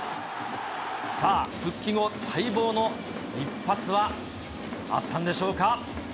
さあ、復帰後、待望の一発はあったんでしょうか。